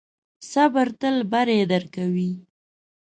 صبر تل بری درکوي.